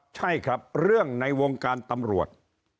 ใช่ครับเรื่องในวงการตำรวจ